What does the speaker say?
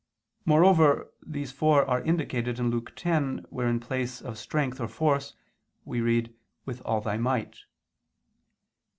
Moreover, these four are indicated in Luke 10, where in place of "strength" or "force" we read "with all thy might."